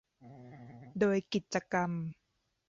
โดยกิจกรรม